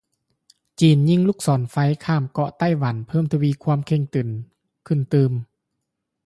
ຈີນຍິງລູກສອນໄຟຂ້າມ ເກາະໄຕ້ຫວັນ ເພີ່ມທະວີຄວາມເຄັ່ງຕຶງຂຶ້ນຕື່ມ